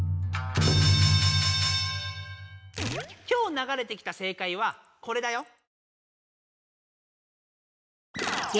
今日ながれてきた正解はこれだよ。